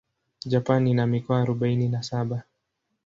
Japan ina mikoa arubaini na saba.